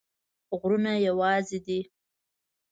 غرونه یوازي دي